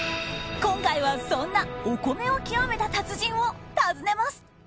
今回は、そんなお米を極めた達人を訪ねます。